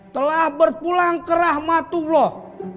telah berpulang ke rahmatullah